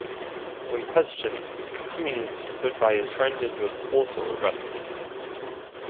When questioned, Cummings stood by his friend and was also arrested.